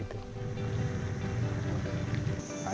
ini keberadaan berkembang